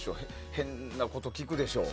変なこと聞くでしょう。